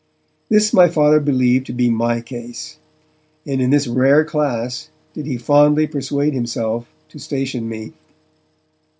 This my Father believed to be my case, and in this rare class did he fondly persuade himself to station me.